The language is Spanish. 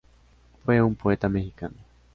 Fue un poeta mexicano.